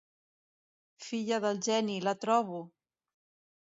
Filla del geni, la trobo!